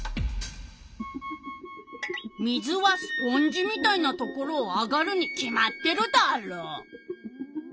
水はスポンジみたいなところを上がるに決まってるダーロ？